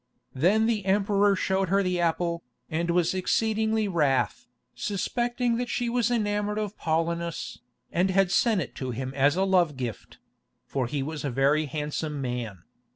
Then the emperor showed her the apple, and was exceedingly wrath, suspecting that she was enamoured of Paulinus, and had sent it to him as a love gift; for he was a very handsome man.